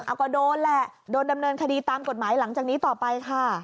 เอาก็โดนแหละโดนดำเนินคดีตามกฎหมายหลังจากนี้ต่อไปค่ะ